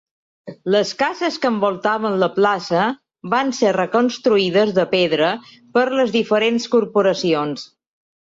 Les cases que envoltaven la plaça van ser reconstruïdes de pedra per les diferents corporacions.